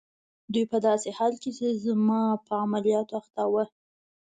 دوی په داسې حال کې چي زما په عملیاتو اخته ول.